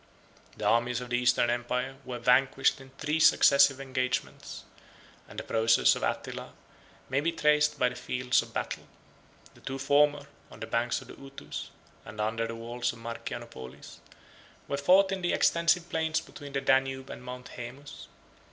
The armies of the Eastern empire were vanquished in three successive engagements; and the progress of Attila may be traced by the fields of battle. The two former, on the banks of the Utus, and under the walls of Marcianopolis, were fought in the extensive plains between the Danube and Mount Haemus.